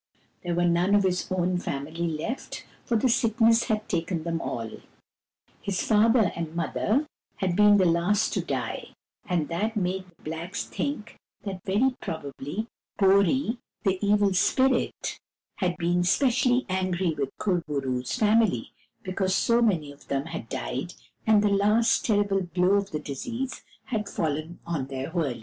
There were none of his own family left, for the sickness had taken them all. His father and mother had been the last to die, and that made the blacks think that very probably Bori, the Evil Spirit, had been especially angry wth Kur bo roo's family, because so many of them had died and the last terrible blow of the disease had fallen on their wurley.